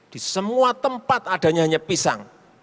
di semua tempat adanya hanya pisang